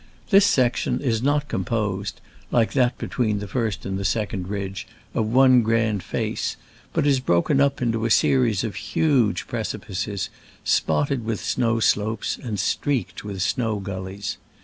This section is not composed, like that between the first and second ridge, of one grand face, but it is broken up into a series of huge precipices, spot ted with snow slopes and streaked with snow gullies.